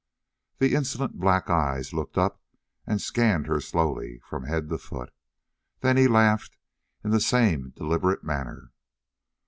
The insolent black eyes looked up and scanned her slowly from head to foot. Then he laughed in the same deliberate manner.